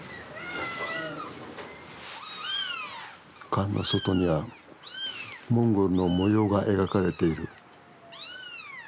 缶の外にはモンゴルの模様が描かれている。